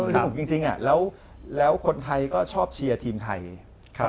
สนุกจริงแล้วคนไทยก็ชอบเชียร์ทีมไทย